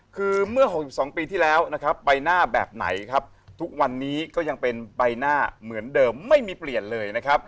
คือเมื่อ๖๒ปีที่แล้วนะครับใบหน้าแบบไหนครับทุกวันนี้ก็ยังเป็นใบหน้าเหมือนเดิมไม่มีเปลี่ยนเลยนะครับ